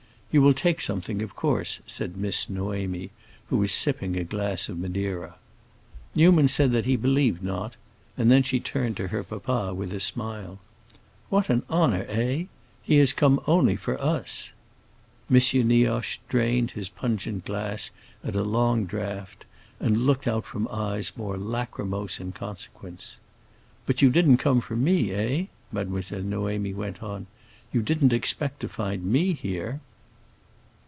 "You will take something, of course," said Miss Noémie, who was sipping a glass of madeira. Newman said that he believed not, and then she turned to her papa with a smile. "What an honor, eh? he has come only for us." M. Nioche drained his pungent glass at a long draught, and looked out from eyes more lachrymose in consequence. "But you didn't come for me, eh?" Mademoiselle Noémie went on. "You didn't expect to find me here?"